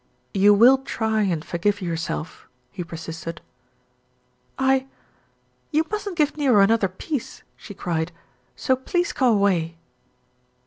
"You will try and forgive yourself?" he persisted. UT "You mustn't give Nero another piece," she cried, "so please come away."